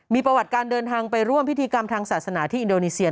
มีประวัติการเดินทางไปร่วมพิธีกรรมทางศาสนาที่อินโดนีเซีย